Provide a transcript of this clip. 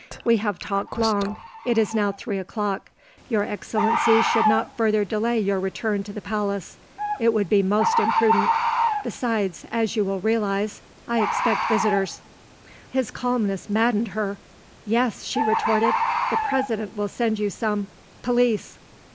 We have talked long; it is now three o'clock; your Excellency should not further delay your return to the palace. It would be most imprudent; besides, as you will realise, I expect visitors." His calmness maddened her. "Yes," she retorted; "the President will send you some, police."